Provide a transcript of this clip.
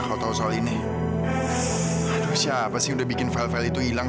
kamu harus diingatin dulu